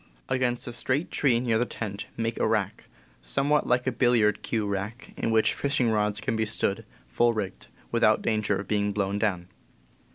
Against a straight tree near the tent make a rack, somewhat like a billiard cue rack, in which fishing rods can be stood, full rigged, without danger of being blown down.